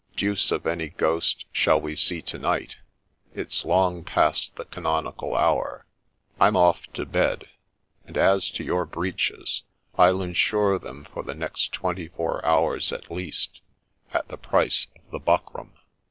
Deuce of any ghost shall we see to night ; it 's long past the canonical hour. I'm off to bed ; and as to your breeches, I'll insure them for the next twenty four hours at least, at the price of the buckram.'